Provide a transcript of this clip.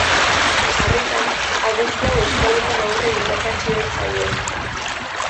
Sarritan abesti hau eskoletan haurrei irakatsi ohi zaie.